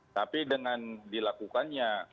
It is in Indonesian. tapi dengan dilakukannya